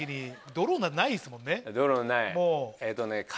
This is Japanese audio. ドローンない。